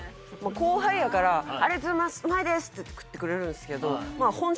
後輩やからって言って食ってくれるんですけど